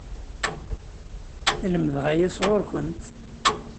Lemdeɣ aya sɣur-kent!